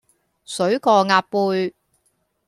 水過鴨背